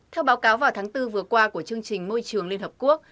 theo báo cáo vào tháng bốn vừa qua của chương trình môi trường liên hợp quốc